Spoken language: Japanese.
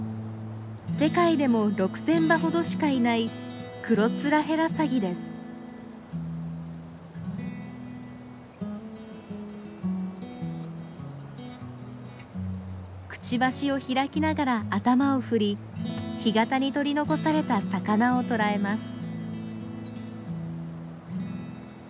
世界でも６，０００羽ほどしかいないくちばしを開きながら頭を振り干潟に取り残された魚を捕らえます。